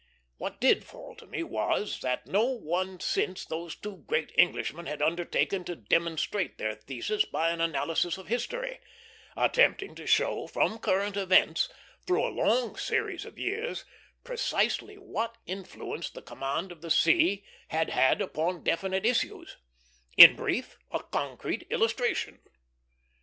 What did fall to me was, that no one since those two great Englishmen had undertaken to demonstrate their thesis by an analysis of history, attempting to show from current events, through a long series of years, precisely what influence the command of the sea had had upon definite issues; in brief, a concrete illustration.